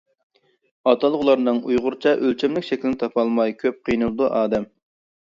ئاتالغۇلارنىڭ ئۇيغۇرچە ئۆلچەملىك شەكلىنى تاپالماي كۆپ قىينىلىدۇ ئادەم.